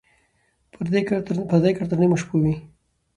ـ پردى کټ تر نيمو شپو وي.